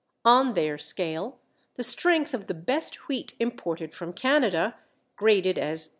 On their scale the strength of the best wheat imported from Canada, graded as No.